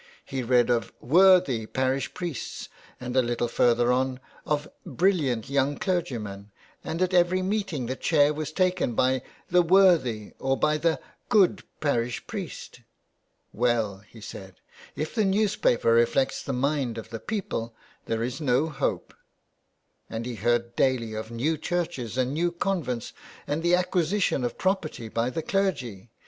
He read of " worthy " parish priests, and a little further on of '' brilliant " young clergymen, and at every meeting the chair was taken by the " worthy " or by the " good " parish priest. " Well," he said, " if the newspaper reflects the mind of the people there is no hope." And he heard daily of new churches and new convents and the aquisition of property by the clergy.